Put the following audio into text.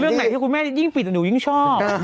เรื่องไหนที่คุณแม่จะยิ่งปิดหนูยิ่งชอบ